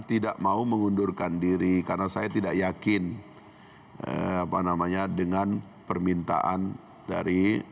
tidak mau mengundurkan diri karena saya tidak yakin apa namanya dengan permintaan dari